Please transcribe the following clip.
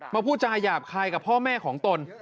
พูดจาหยาบคายกับพ่อแม่ของตน